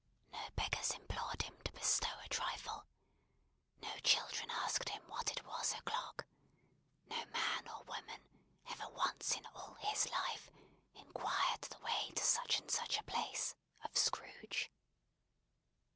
No beggars implored him to bestow a trifle, no children asked him what it was o'clock, no man or woman ever once in all his life inquired the way to such and such a place, of Scrooge.